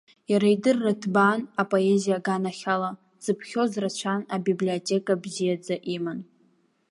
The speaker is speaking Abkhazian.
Иара идырра ҭбаан апоезиа аганахь ала, дзыԥхьоз рацәан, абиблиотека бзиаӡа иман.